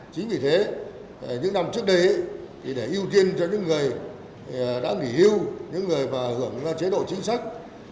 chính vì thế những năm trước đây để ưu tiên cho những người đã nghỉ hưu những người mà hưởng chế độ chính sách